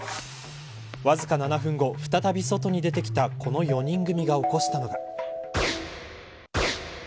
わずか７分後再び外に出てきたこの４人組が起こしたのが。